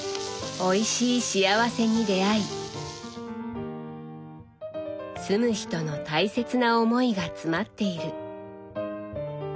おいしい幸せに出会い住む人の大切な思いが詰まっている。